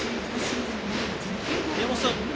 宮本さん